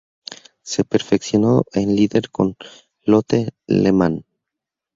Se perfeccionó en Lieder con Lotte Lehmann.